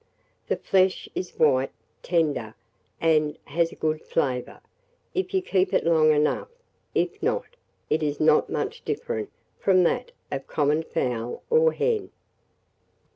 The flesh is white, tender, and has a good flavour, if you keep it long enough; if not, it is not much different from that of a common fowl or hen."